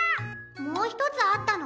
もうひとつあったの？